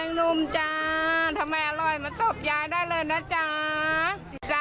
กลับไปกับยายได้เลยนะจ๊ะ